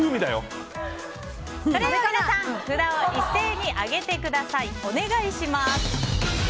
それでは皆さん札を一斉に上げてください。